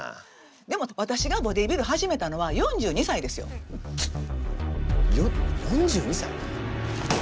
でも私がボディービル始めたのは４２歳ですよ。よ４２歳？